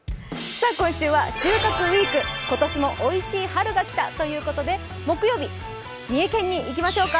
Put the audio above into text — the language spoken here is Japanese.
今週は収穫ウィーク、「今年もおいしい春が来た」ということで、木曜日、三重県に行きましょうか。